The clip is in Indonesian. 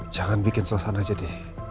jangan bikin suasana jadi